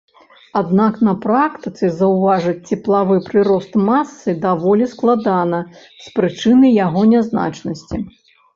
Аднак на практыцы заўважыць цеплавы прырост масы даволі складана з прычыны яго нязначнасці.